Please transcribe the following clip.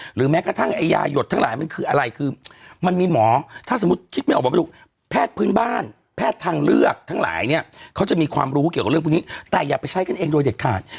หรือแม้กระทั่งไอ้ยาหยดทั้งหลายมันคืออะไรคือมันมีหมอถ้าสมมุติคิดไม่ออกบอกไม่รู้แพทย์พื้นบ้านแพทย์ทางเลือกทั้งหลายเนี่ยเขาจะมีความรู้เกี่ยวกับเรื่องพวกนี้แต่อย่าไปใช้กันเองโดยเด็ดขาด